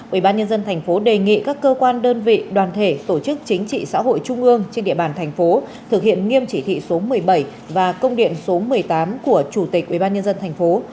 ubnd tp đề nghị các cơ quan đơn vị đoàn thể tổ chức chính trị xã hội trung ương trên địa bàn thành phố thực hiện nghiêm chỉ thị số một mươi bảy và công điện số một mươi tám của chủ tịch ubnd tp